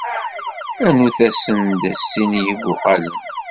Rnut-asen-d sin n yibuqalen.